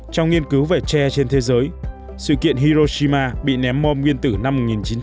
trong nghiên cứu về tre trên thế giới sự kiện hiroshima bị ném bom nguyên tử năm một nghìn chín trăm bảy mươi